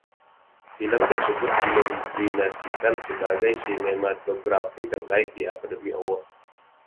Film tersebut dinominasikan sebagai Sinematografi Terbaik di Academy Award.